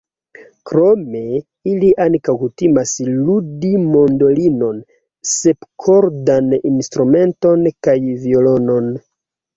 Krome, ili ankaŭ kutimas ludi mandolinon, sepkordan instrumenton kaj violonon.